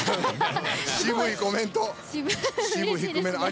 渋いコメント。